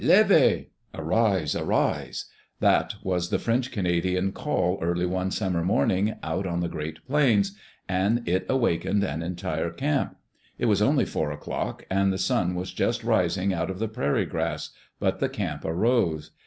Level (Ansel Arise 1)." That was the f French Canadian call early one summer morning out on the great plains, and it awakened an entire camp. It was only four o'clock and the sun was just rising out of the prairie grass, but the camp arose.